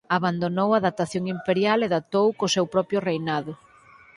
Abandonou a datación imperial e datou co seu propio reinado.